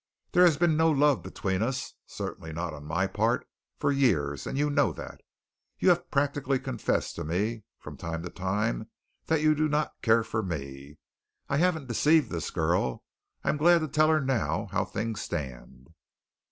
There has been no love between us, certainly not on my part, for years, and you know that. You have practically confessed to me from time to time that you do not care for me. I haven't deceived this girl. I am glad to tell her now how things stand."